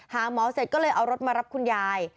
หาหมอเสร็จก็เลยเอารถมารับคุณยาย